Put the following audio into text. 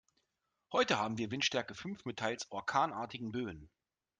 Heute haben wir Windstärke fünf mit teils orkanartigen Böen.